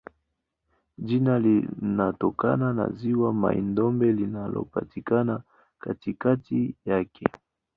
Jina linatokana na ziwa Mai-Ndombe linalopatikana katikati yake.